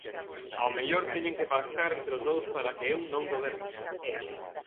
Ao mellor teñen que pactar entre os dous para que eu non goberne.